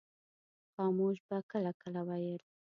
خاموش به کله کله ویل.